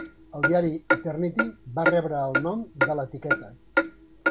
El diari "Eternity" va rebre el nom de l'etiqueta.